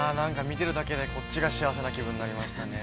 ◆見ているだけで、こっちが幸せな気分になりましたね。